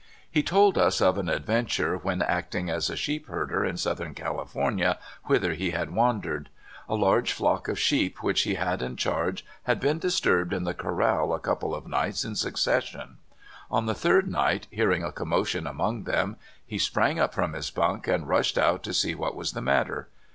He told us of an adventure when acting as a sheep herder in Southern California, whither he had wandered. A large flock of sheep which he had in charge had been disturbed in the corral a couple of nights in succession. On the third night, hearing a commotion among them, he sprang up from his bunk and rushed out to see what was the matter.